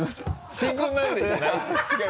「新婚なんで」じゃないですよ